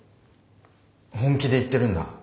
本気で言ってるんだ。